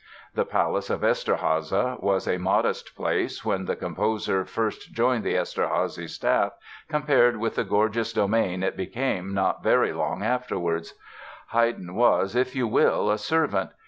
The palace of Eszterháza was a modest place when the composer first joined the Eszterházy staff compared with the gorgeous domain it became not very long afterwards. Haydn was, if you will, a servant.